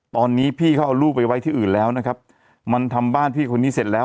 ตอนนี้พี่เขาเอาลูกไปไว้ที่อื่นแล้วนะครับมันทำบ้านพี่คนนี้เสร็จแล้ว